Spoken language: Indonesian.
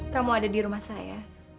kamu ada di rumah saya